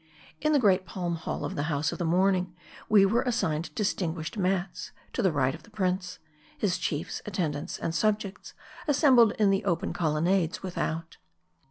In the great Palm hall of the House of the Morning, we were assigned distinguished mats, to the right of the prince ; his chiefs, attendants, and subjects assembled in the open colonnades without.